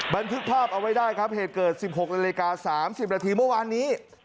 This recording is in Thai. บันทึกภาพเอาไว้ได้ครับเหตุเกิด๑๖นาฬิกา๓๐นาทีเมื่อวานนี้